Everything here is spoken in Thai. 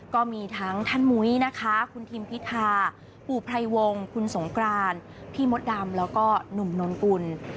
ก็มีทั้งท่านมุ้ยนะคะคุณทิมพิธาปู่ไพรวงคุณสงกรานพี่มดดำแล้วก็หนุ่มนนกุล